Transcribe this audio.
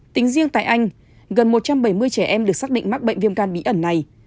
tính riêng tại anh gần một trăm bảy mươi trẻ em được xác định mắc bệnh viêm gan bí ẩn này